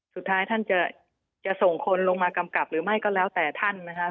สุดท้ายท่านจะส่งคนลงมากำกับหรือไม่ก็แล้วแต่ท่านนะครับ